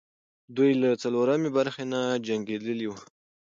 دوی له څلورمې برخې نه جنګېدلې وو.